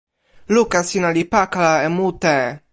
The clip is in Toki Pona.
luka sina li pakala e mute.